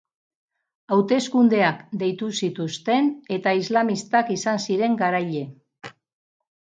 Hauteskundeak deitu zituzten, eta islamistak izan ziren garaile.